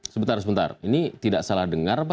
sebentar sebentar ini tidak salah dengar pak